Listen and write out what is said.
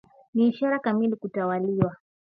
Ni ishara kamili ya kutawaliwa